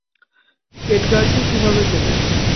এডগারকে কীভাবে চেনেন?